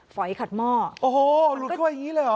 ฝอยขัดหม้อโอ้โหหลุดเข้าไปอย่างนี้เลยเหรอ